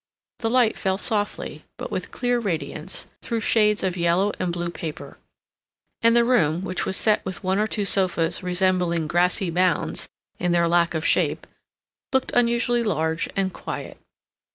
The light fell softly, but with clear radiance, through shades of yellow and blue paper, and the room, which was set with one or two sofas resembling grassy mounds in their lack of shape, looked unusually large and quiet.